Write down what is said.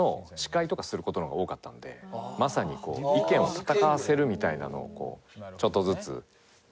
いや僕はまさに意見を戦わせるみたいなのをちょっとずつ油注いで。